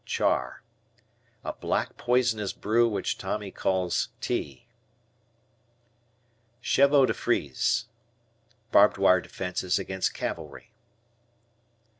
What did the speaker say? Char. A black poisonous brew which Tommy calls tea. "Chevaux de frise." Barbed wire defenses against cavalry.